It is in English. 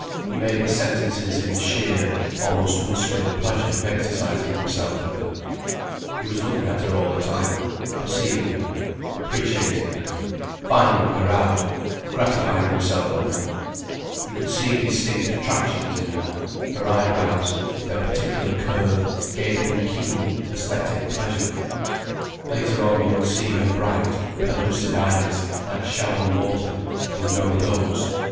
He made his sentences in sheer, almost muscular pleasure of exercising himself with her. He was looking at her all the time, perceiving her, appreciating her, finding her out, gratifying himself with her. He could see distinct attractions in her; her eyebrows, with their particular curve, gave him keen aesthetic pleasure. Later on he would see her bright, pellucid eyes, like shallow water, and know those.